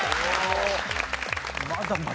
まだまだ。